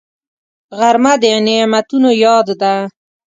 غرمه د نعمتونو یاد ده